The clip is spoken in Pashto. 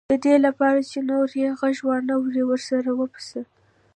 د دې لپاره چې نور یې غږ وانه وري ورسره وپسه.